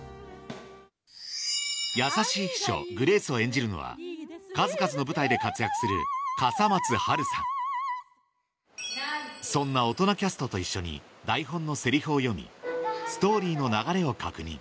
優しい秘書グレースを演じるのは数々の舞台で活躍するそんな大人キャストと一緒に台本のセリフを読みストーリーの流れを確認